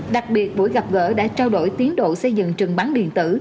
đặc biệt buổi gặp gỡ đã trao đổi tiến độ xây dựng trường bán điện tử